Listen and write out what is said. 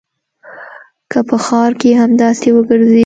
که په ښار کښې همداسې وګرځې.